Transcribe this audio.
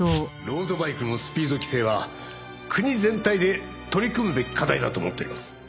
ロードバイクのスピード規制は国全体で取り組むべき課題だと思っております。